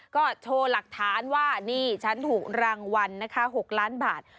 ก็โชว์หลักฐานว่านี่ฉันถูกรางวัลนะคะ๖ล้านบาท